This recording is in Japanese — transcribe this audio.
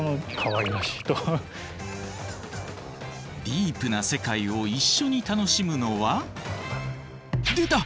ディープな世界を一緒に楽しむのは出た！